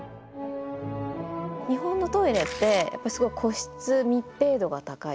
日本のトイレってすごく個室密閉度が高い。